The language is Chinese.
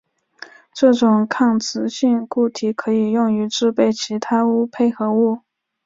这种抗磁性固体可以用于制备其它钨配合物。